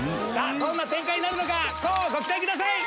どんな展開になるのか乞うご期待ください！